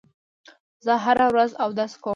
زه هره ورځ اودس کوم.